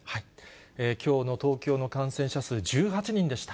きょうの東京の感染者数１８人でした。